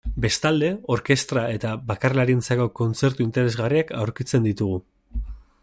Bestalde, orkestra eta bakarlarientzako kontzertu interesgarriak aurkitzen ditugu.